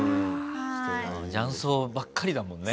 ああ雀荘ばっかりだもんね。